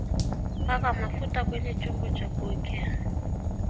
Paka mafuta kwenye chombo cha kuokea